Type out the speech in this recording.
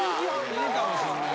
いいかもしんない。